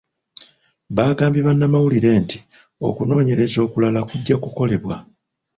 Baagambye bannamawulire nti okunoonyereza okulala kujja kukolebwa.